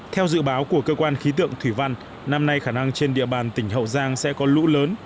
theo dự báo của cơ quan khí tượng thủy văn năm nay khả năng trên địa bàn tỉnh hậu giang sẽ có lũ lớn